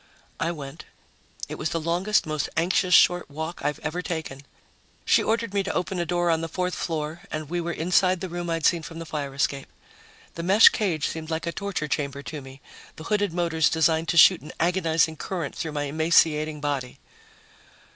I went. It was the longest, most anxious short walk I've ever taken. She ordered me to open a door on the fourth floor, and we were inside the room I'd seen from the fire escape. The mesh cage seemed like a torture chamber to me, the hooded motors designed to shoot an agonizing current through my emaciating body.